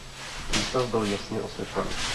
Přístav byl jasně osvětlen.